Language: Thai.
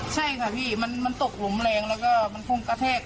ใช่ค่ะพี่มันตกหลุมแรงแล้วก็มันคงกระแทก